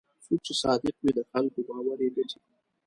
څوک چې صادق وي، د خلکو باور یې ګټي.